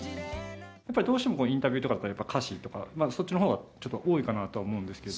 やっぱりどうしてもインタビューとかだと歌詞とかそっちの方が多いかなとは思うんですけども。